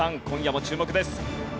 今夜も注目です。